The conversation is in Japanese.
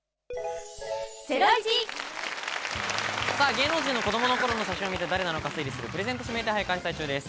芸能人の子どもの頃の写真を見て誰なのか推理するプレゼント指名手配を開催中です。